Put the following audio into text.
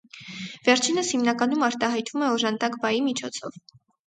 Վերջինս հիմնականում արտահայտվում է օժանդակ բայի միջոցով։